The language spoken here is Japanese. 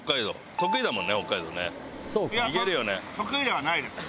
得意ではないですよ。